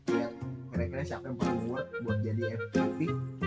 lihat kira kira siapa yang paling worth buat jadi ambit